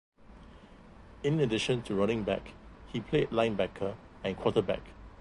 In addition to running back, he played linebacker and quarterback.